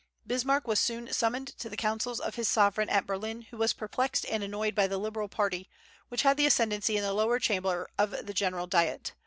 Bismarck was soon summoned to the councils of his sovereign at Berlin, who was perplexed and annoyed by the Liberal party, which had the ascendency in the lower Chamber of the general Diet.